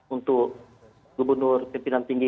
untuk gubernur timpindan tinggi